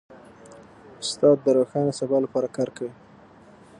استاد د روښانه سبا لپاره کار کوي.